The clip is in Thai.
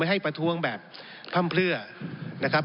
ให้ประท้วงแบบพร่ำเพลือนะครับ